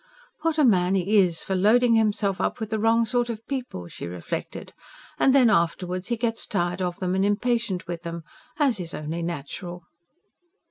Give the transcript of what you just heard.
"What a man he is for loading himself up with the wrong sort of people!" she reflected. "And then afterwards, he gets tired of them, and impatient with them as is only natural."